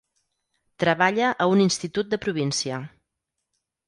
Treballa a un institut de província.